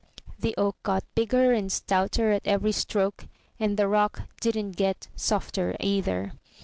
The oak got bigger and stouter at every stroke, and the rock didn't get softer either.